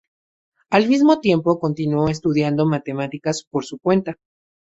Al mismo tiempo, Continuó estudiando matemáticas por su cuenta.